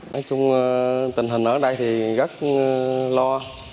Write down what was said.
nói chung tình hình ở đây thì rất lo